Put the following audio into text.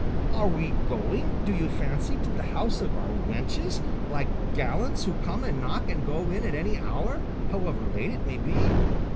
Are we going, do you fancy, to the house of our wenches, like gallants who come and knock and go in at any hour, however late it may be?"